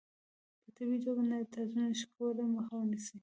په طبیعي توګه تاسو نشئ کولای مخه ونیسئ.